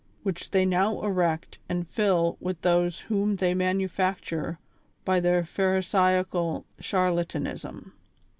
wiiich they now erect and fill with those whom they manufacture by their Phari saical charlatanism.